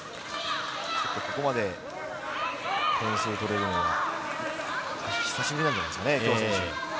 ここまで点数取れるのは、久しぶりなんじゃないですかね。